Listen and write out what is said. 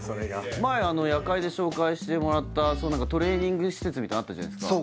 前「夜会」で紹介してもらったトレーニング施設みたいなのあったじゃないですか？